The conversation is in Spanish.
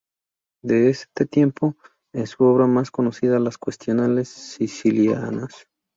De este tiempo es su obra más conocida, las "Cuestiones Sicilianas".